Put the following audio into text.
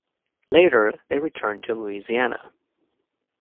Later they returned to Louisiana.